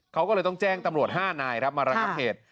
เขาก็เลยต้องแจ้งตำรวจ๕นายครับมาระงับเหตุ